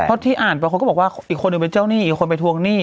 เพราะที่อ่านไปคนก็บอกว่าอีกคนหนึ่งเป็นเจ้าหนี้อีกคนไปทวงหนี้